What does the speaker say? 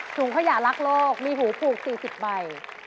ถุงขยะรักโลกมีหูผูก๔๐ใบ